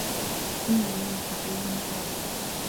إِنَّ لِلمُتَّقينَ مَفازًا